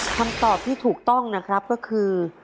คำตอบที่ถูกต้องนะครับก็คือ